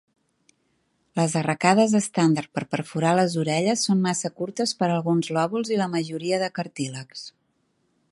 Les arracades estàndard per perforar les orelles són massa curtes per alguns lòbuls i la majoria de cartílags.